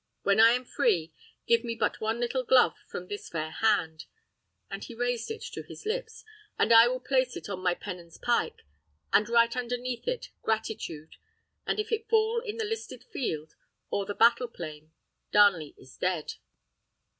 When I am free, give me but one little glove from this fair hand," and he raised it to his lips, "and I will place it on my pennon's pike, and write underneath it, gratitude; and if it fall in the listed field, or the battle plain, Darnley is dead."